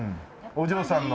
お嬢さんの。